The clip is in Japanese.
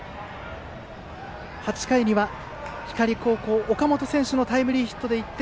８回には、光高校の岡本選手のタイムリーヒットで１点。